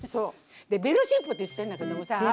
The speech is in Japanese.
「ベロシップ」って言ってんだけどもさ。